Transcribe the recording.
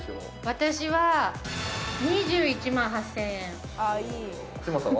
私は２１万８０００円嶋佐は？